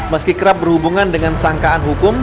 meski kerap berhubungan dengan sangkaan hukum